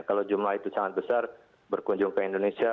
kalau jumlah itu sangat besar berkunjung ke indonesia